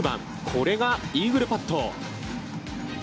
これがイーグルパット。